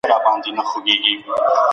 کلي مو يو شان دي.